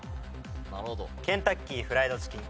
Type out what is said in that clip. ケンタッキーフライドチキン。